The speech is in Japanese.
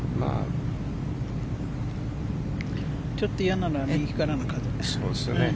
ちょっと嫌なのは右からの風。